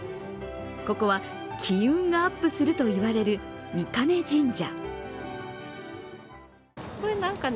ここは、金運がアップするといわれる御金神社。